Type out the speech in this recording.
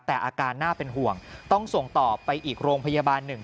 แต่อาการน่าเป็นห่วงต้องส่งต่อไปอีกโรงพยาบาลหนึ่ง